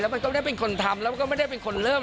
มันก็ได้เป็นคนทำแล้วก็ไม่ได้เป็นคนเริ่ม